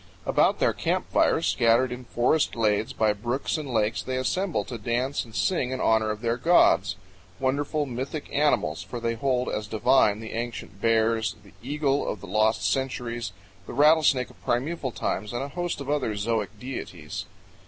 About their camp fires scattered in forest glades by brooks and lakes, they assemble to dance and sing in honor of their gods wonderful mythic animals, for they hold as divine the ancient of bears, the eagle of the lost centuries, the rattlesnake of primeval times, and a host of other zoic deities.